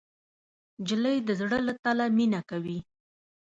نجلۍ د زړه له تله مینه کوي.